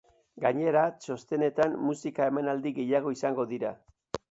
Gainera, txosnetan musika emanaldi gehiago izango dira.